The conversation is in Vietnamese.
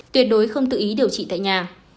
tuyệt đối không tự ý điều trị tại nhà